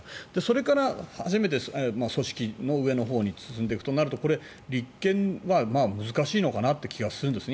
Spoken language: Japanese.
それから初めて組織の上のほうに進んでいくとなると立件は難しいのかなという気がするんですね